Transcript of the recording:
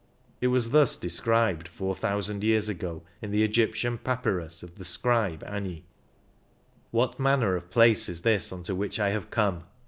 It was thus described four thousand years ago in the Egyptian papyrus of the Scribe Ani :" What manner of place is this unto which I have come